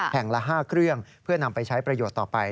ละ๕เครื่องเพื่อนำไปใช้ประโยชน์ต่อไป